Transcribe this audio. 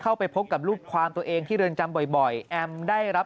แอมก็ไม่รู้ว่าเจตนา